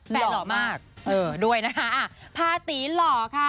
แฟนเหล่ามากเออด้วยนะคะอะภาษีหล่อค่ะ